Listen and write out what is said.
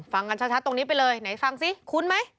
ฟังกันชัดตรงนี้ไปเลยไหนฟังซิคุ้นไหม